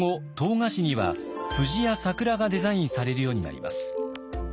菓子には藤や桜がデザインされるようになります。